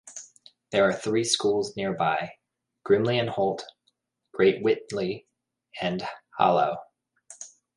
There are three schools nearby: Grimley and Holt, Great Witley and Hallow.